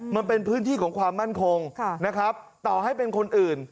มันเป็นพื้นที่ของความมั่นคงนะครับต่อให้เป็นคนอื่น